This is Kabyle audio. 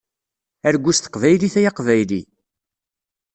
Argu s teqbaylit ay aqbayli!